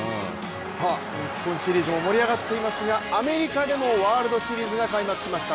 日本シリーズも盛り上がっていますがアメリカでもワールドシリーズが開幕しました。